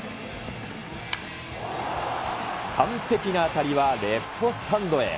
完璧な当たりはレフトスタンドへ。